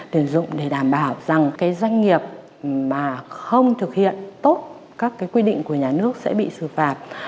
để dùng để đảm bảo rằng doanh nghiệp mà không thực hiện tốt các quy định của nhà nước sẽ bị xử phạt